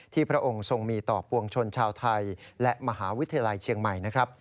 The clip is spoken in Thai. พระองค์ทรงมีต่อปวงชนชาวไทยและมหาวิทยาลัยเชียงใหม่นะครับ